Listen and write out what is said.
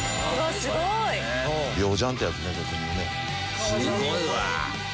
すごいわ。